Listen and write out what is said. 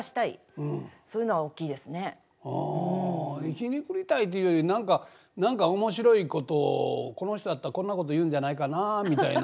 皮肉りたいっていうより何か何か面白いことをこの人やったらこんなこと言うんじゃないかなあみたいな